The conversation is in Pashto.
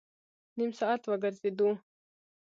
نیم ساعت وګرځېدو.